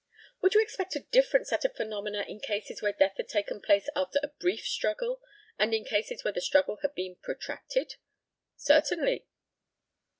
Would you expect a different set of phenomena in cases where death had taken place after a brief struggle, and in cases where the struggle had been protracted? Certainly.